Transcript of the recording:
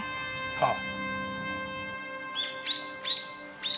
ああ。